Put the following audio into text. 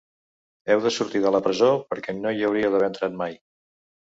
Heu de sortir de la presó perquè no hi hauríeu d’haver entrat mai.